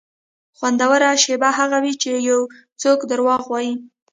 خوندوره شېبه هغه وي چې یو څوک دروغ وایي.